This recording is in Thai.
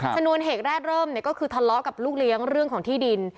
ชนวนเหตุแรกเริ่มก็คือทะเลาะกับลูกเลี้ยงเรื่องของที่ดิน